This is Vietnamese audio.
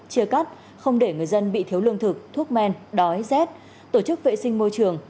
chia cắt không để người dân bị thiếu lương thực thuốc men đói rét tổ chức vệ sinh môi trường